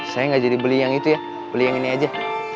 saya nggak jadi beli yang itu ya beli yang ini aja